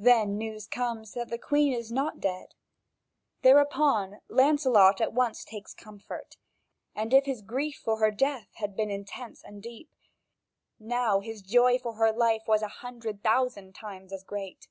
Then the news comes that the Queen is not dead. Thereupon Lancelot at once takes comfort, and if his grief for her death had before been intense and deep, now his joy for her life was a hundred thousand times as great.